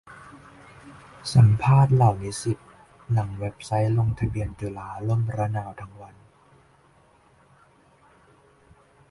สัมภาษณ์เหล่านิสิต หลังเว็บไซต์ลงทะเบียนจุฬาล่มระนาวทั้งวัน